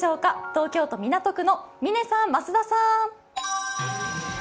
東京都港区の嶺さん、増田さん。